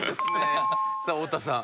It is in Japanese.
さあ太田さん。